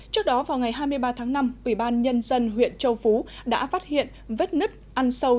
trước đó vào ngày hai mươi ba tháng năm ủy ban nhân dân huyện châu phú đã phát hiện vết nứt ăn sâu